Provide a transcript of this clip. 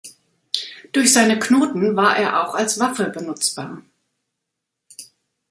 Durch seine Knoten war er auch als Waffe benutzbar.